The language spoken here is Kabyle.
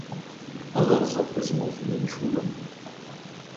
Ad rẓeɣ tazmert n yemcumen.